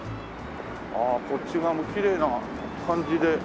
ああこっち側もきれいな感じで。